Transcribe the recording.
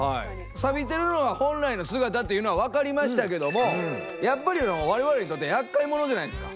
サビてるのは本来の姿っていうのはわかりましたけどもやっぱり我々にとってやっかい者じゃないですか。